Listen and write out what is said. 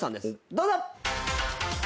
どうぞ！